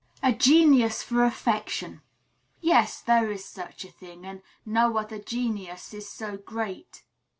"A genius for affection." Yes; there is such a thing, and no other genius is so great.